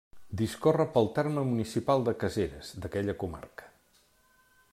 Discorre pel terme municipal de Caseres, d'aquella comarca.